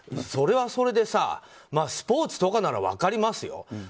それはそれでスポーツとかなら分かりますよ。